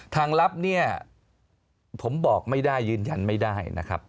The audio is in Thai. ลับเนี่ยผมบอกไม่ได้ยืนยันไม่ได้นะครับ